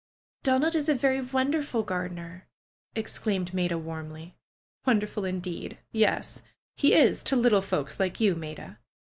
Donald is a very wonderful gardener!'' exclaimed Maida warmly. ^'Wonderful, indeed! Yes, he is to little folks like you, Maida."